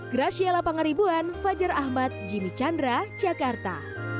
graciala pangaribuan fajar ahmad jimmy chandra jakarta